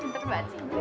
pinter banget sih gue